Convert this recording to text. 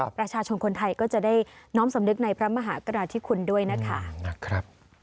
ประชาชนคนไทยก็จะได้น้อมสำนึกในพระมหากราธิคุณด้วยนะคะ